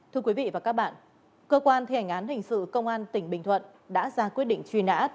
thưa quý vị và các bạn cơ quan thi hành án hình sự công an tỉnh bình thuận đã ra quyết định truy nã